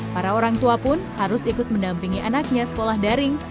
para orang tua pun harus ikut mendampingi anaknya sekolah daring